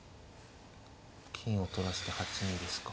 金を取らせて８二ですか。